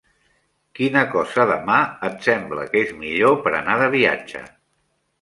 Quina cosa de mà et sembla que és millor per anar de viatge?